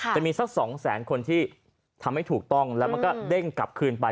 จะมีสัก๒แสนคนที่ทำให้ถูกต้องแล้วมันก็เด้งกลับคืนไป